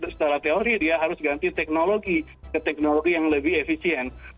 setelah teori dia harus ganti teknologi ke teknologi yang lebih efisien